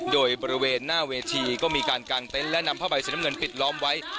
โดยบริเวณหน้าเวทีก็มีการกางเต็นต์และนำผ้าใบสีน้ำเงินปิดล้อมไว้